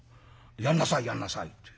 「やんなさいやんなさい」って。